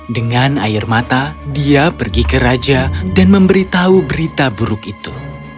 dengan air mata dia pergi ke raja dan memberitahu berita buruk itu